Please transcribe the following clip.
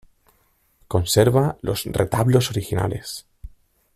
Conserva los retablos originales.